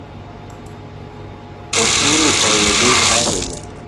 Osuru oidhi ahinya